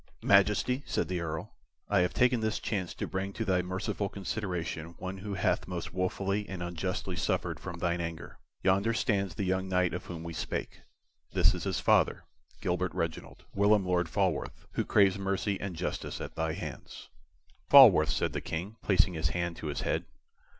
"Majesty," said the Earl, "I have taken this chance to bring to thy merciful consideration one who hath most wofully and unjustly suffered from thine anger. Yonder stands the young knight of whom we spake; this is his father, Gilbert Reginald, whilom Lord Falworth, who craves mercy and justice at thy hands." "Falworth," said the King, placing his hand to his head.